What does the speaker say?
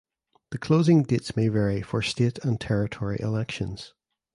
The closing dates may vary for state and territory elections.